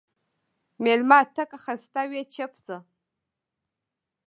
مېلمه ته که خسته وي، چپ شه.